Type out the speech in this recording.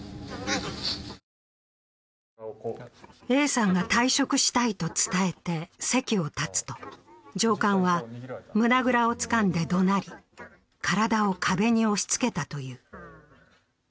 Ａさんが退職したいと伝えて席を立つと、上官は胸ぐらをつかんで怒鳴り、体を壁に押しつけたという。